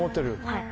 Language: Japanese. はい。